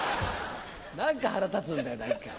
何か腹立つんだよ何か。